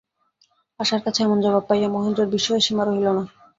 আশার কাছে এমন জবাব পাইয়া মহেন্দ্রের বিস্ময়ের সীমা রহিল না।